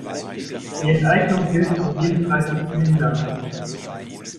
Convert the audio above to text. Die Enteignung gilt es um jeden Preis zu verhindern.